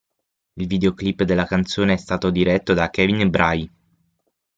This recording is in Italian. Il videoclip della canzone è stato diretto da Kevin Bray.